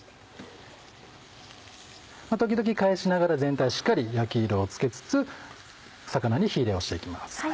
時々返しながら全体しっかり焼き色をつけつつ魚に火入れをしていきます。